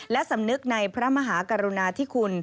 และสำนึกในพระมหากรุณาธิคุณ